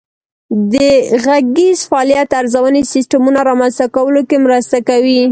د غږیز فعالیت ارزونې سیسټمونه رامنځته کولو کې مرسته کوي.